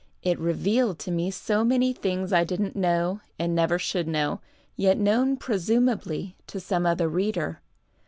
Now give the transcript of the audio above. It revealed to me so many things I didn't know and never should know, yet known presumably to some other reader.